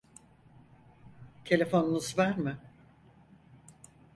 Telefonunuz var mı?